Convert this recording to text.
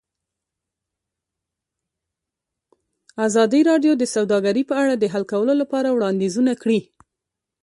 ازادي راډیو د سوداګري په اړه د حل کولو لپاره وړاندیزونه کړي.